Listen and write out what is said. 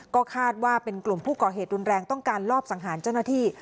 ก็คาดว่าเป็นกลุ่มผู้ก่อเหตุรุนแรงต้องการลอบสังหารเจ้าหน้าที่